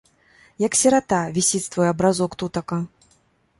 Як сірата, вісіць твой абразок тутака.